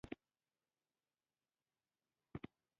د احمد د بریا په خطر مې ډېرې شپې رڼې تېرې کړې.